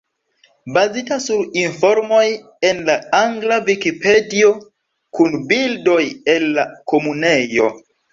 Bazita sur informoj en la angla Vikipedio, kun bildoj el la Komunejo.